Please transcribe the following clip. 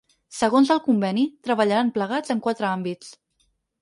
Segons el conveni, treballaran plegats en quatre àmbits.